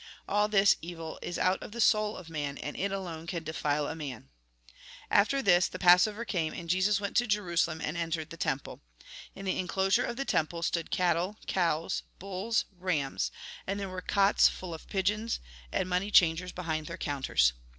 All this evil is out of the soul of man and it alone can defile a man." After this, the Passover came, and Jesus went to 3 34 THE GOSPEL IN BRIEF Jerusalem, and entered the temple. In the en closure of the temple stood cattle, cows, bulls, rams ; and there were cots full of pigeons, and money changers behind their counters.